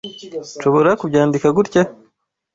Nshobora kubyandika gutya?